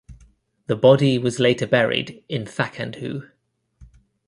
The body was later buried in Thakandhoo.